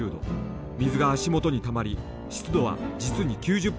水が足元にたまり湿度は実に９０％を超えた。